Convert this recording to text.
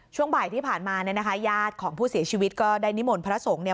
ช่วงบ่ายที่ผ่านมาเนี่ยนะคะญาติของผู้เสียชีวิตก็ได้นิมนต์พระสงฆ์เนี่ย